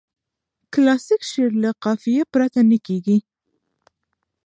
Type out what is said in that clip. کلاسیک شعر له قافیه پرته نه کیږي.